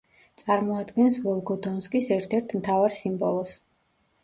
წარმოადგენს ვოლგოდონსკის ერთ-ერთ მთავარ სიმბოლოს.